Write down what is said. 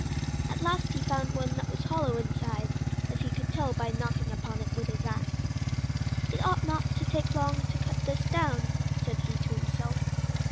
At last he found one that was hollow inside, as he could tell by knocking upon it with his ax. "It ought not to take long to cut this down," said he to himself.